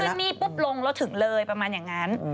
ขึ้นนี่ปุ๊บลงเราถึงเลยประมาณอย่างนั้น